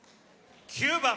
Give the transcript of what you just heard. ９番。